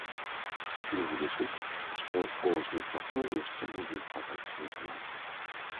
Ён лічыць, што кожны з бакоў яшчэ можа захаваць свой твар.